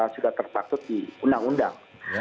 sudah terpaktut di undang undang